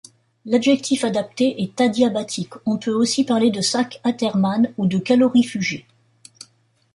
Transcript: L'adjectif adapté est adiabatique, on peut aussi parler de sac athermane ou calorifugé.